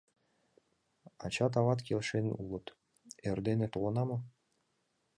Ачат-ават келшен улыт, эрдене толына мо?